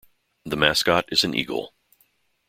The mascot is an eagle.